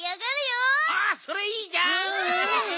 おそれいいじゃん！